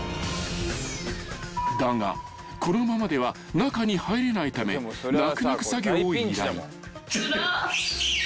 ［だがこのままでは中に入れないため泣く泣く］